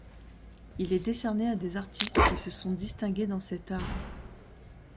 Il est décerné à des artistes qui se sont distingués dans cet art.